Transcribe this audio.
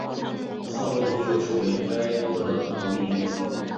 澳式足球成为了该国的国民运动。